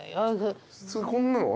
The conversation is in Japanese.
こんなのは？